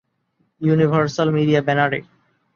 Universal media ব্যানারে।